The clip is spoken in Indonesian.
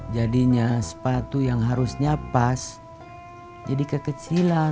jadinya sepatu yang harusnya pas jadi kekecilan